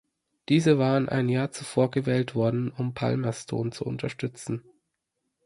Diese waren ein Jahr zuvor gewählt worden, um Palmerston zu unterstützen.